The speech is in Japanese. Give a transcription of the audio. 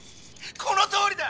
このとおりだ！